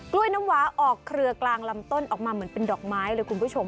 ล้วยน้ำหวาออกเครือกลางลำต้นออกมาเหมือนเป็นดอกไม้เลยคุณผู้ชม